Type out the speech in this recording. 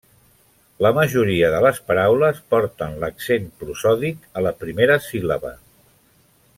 La majoria de les paraules porten l'accent prosòdic a la primera síl·laba.